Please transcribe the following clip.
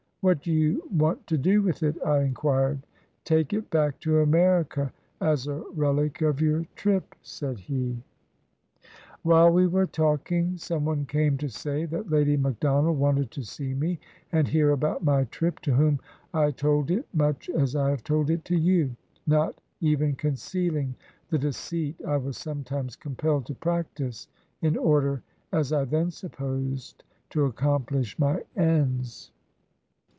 "What do you want to do with it?" I inquired. "Take it back to America as a relic of your trip," said he. 247 CHINA While we were talking, some one came to say that Lady MacDonald wanted to see me and hear about my trip, to whom I told it much as I have told it to you, not even concealing the deceit I was sometimes compelled to practice, in order, as I then supposed, to accompHsh my ends.